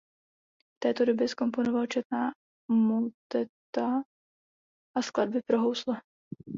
V této době zkomponoval četná moteta a skladby pro housle.